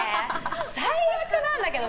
最悪なんだけど！